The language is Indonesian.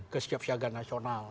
ke siap siaga nasional